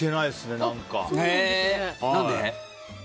何で？